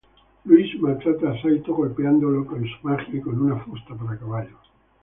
Louise maltrata a Saito golpeándolo con su magia y con una fusta para caballos.